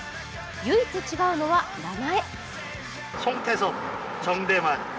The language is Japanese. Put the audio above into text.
唯一違うのは、名前。